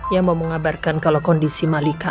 yang mau mengabarkan kalau kondisi malika